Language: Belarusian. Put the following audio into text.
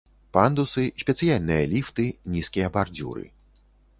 Пандусы, спецыяльныя ліфты, нізкія бардзюры.